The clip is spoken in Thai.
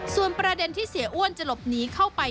ส่วนประเด็นที่เสียอ้วนจะหลบหนีเข้าไป